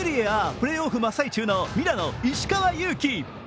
プレーオフ真っ最中のミラノ・石川祐希。